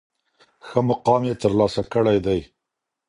ښه مقام یې تر لاسه کړی دی.